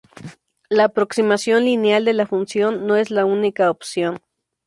La aproximación lineal de la función no es la única opción.